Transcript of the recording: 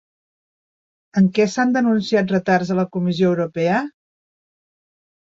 En què s'han denunciat retards a la Comissió Europea?